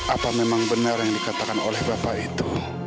apa memang benar yang dikatakan oleh bapak itu